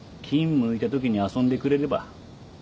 向いたときに遊んでくれれば。